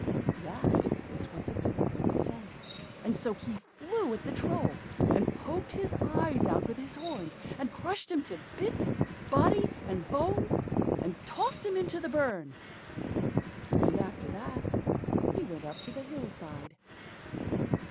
That was what the big billy goat said; and so he flew at the Troll and poked his eyes out with his horns, and crushed him to bits, body and bones, and tossed him out into the burn, and after that he went up to the hill side.